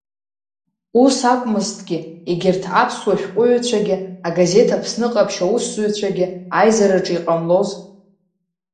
Ус акәмызҭгьы, егьырҭ аԥсуа шәҟәҩҩцәагьы, агазеҭ Аԥсны ҟаԥшь аусзуҩцәагьы аизараҿы иҟамлоз…